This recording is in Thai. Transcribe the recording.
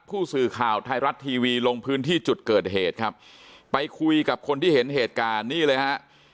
ผู้สื่อข่าวไทยรัฐทีวีลงพื้นที่จุดเกิดเหตุครับไปคุยกับคนที่เห็นเหตุการณ์นี่เลยฮะ